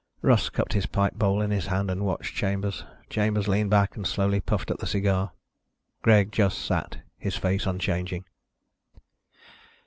Russ cupped his pipe bowl in his hand and watched Chambers. Chambers leaned back and slowly puffed at the cigar. Greg just sat, his face unchanging.